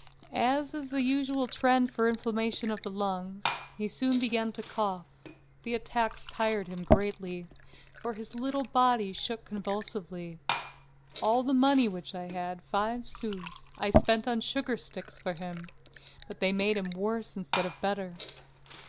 As in the usual trend of inflammation of the lungs, he soon began to cough; the attacks tired him greatly, for his little body shook convulsively. All the money which I had, five sous, I spent on sugar sticks for him, but they made him worse instead of better.